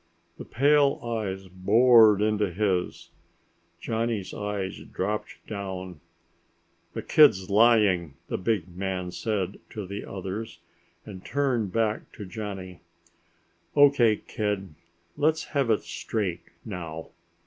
The pale eyes bored into his. Johnny's eyes dropped down. "The kid's lying!" the big man said to the others, and turned back to Johnny. "O.K., kid, let's have it straight now!"